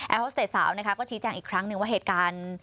ฮอสเตจสาวนะคะก็ชี้แจงอีกครั้งหนึ่งว่าเหตุการณ์